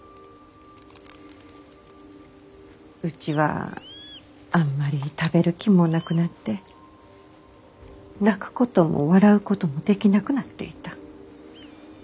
うちはあんまり食べる気もなくなって泣くことも笑うこともできなくなっていた。